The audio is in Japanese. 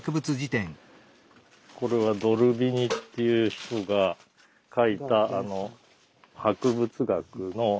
これはドルビニっていう人が書いた博物学の本でですね